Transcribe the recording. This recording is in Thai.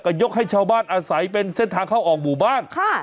ก็ยกให้ชาวบ้านอาศัยเป็นเส้นทางเข้าออกหมู่บ้านค่ะ